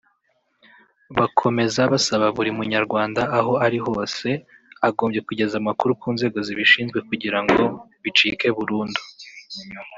Bakomeza basaba buri munyarwanda aho ari hose agombye kugeza amakuru ku nzego zibishinzwe kugira ngo bicike burundu